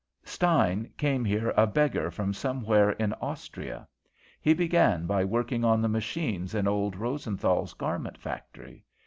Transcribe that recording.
"Stein came here a beggar from somewhere in Austria. He began by working on the machines in old Rosenthal's garment factory.